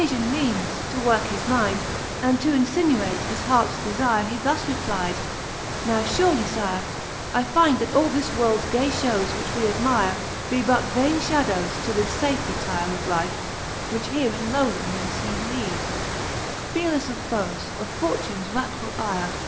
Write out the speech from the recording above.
Yet to occallon meanes, to worke his mind, And to insinuate his harts defire, He thus reply de; Now furely, fyre, I find, That all this worlds gay fhowes, which we admire, Be but vaine fhadowes to this fafe retyre Of life, which here in lowlinefle ye lead, Fearlefle of foes, or fortunes wrackfull yre.